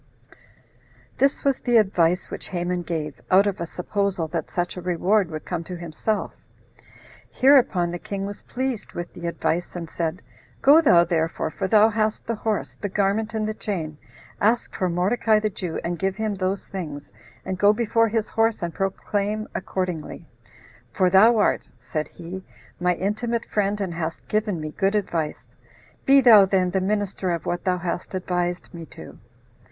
This was the advice which Haman gave, out of a supposal that such a reward would come to himself. Hereupon the king was pleased with the advice, and said, "Go thou therefore, for thou hast the horse, the garment, and the chain, ask for Mordecai the Jew, and give him those things, and go before his horse and proclaim accordingly; for thou art," said he, "my intimate friend, and hast given me good advice; be thou then the minister of what thou hast advised me to.